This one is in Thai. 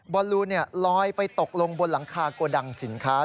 อลูนลอยไปตกลงบนหลังคาโกดังสินค้า